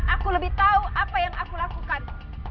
aku lebih tahu apa yang aku lakukan